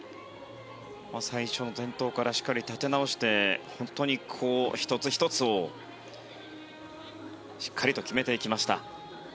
最初、転倒から立て直して本当に１つ１つをしっかりと決めていきました。